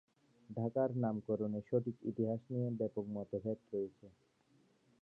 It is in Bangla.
ঢাকার নামকরণের সঠিক ইতিহাস নিয়ে ব্যাপক মতভেদ রয়েছে।